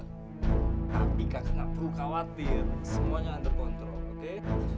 tapi kakak nggak perlu khawatir semuanya under kontrol oke